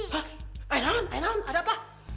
hah ailan ailan ada apa